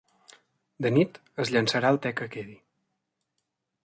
De nit es llençarà el te que quedi.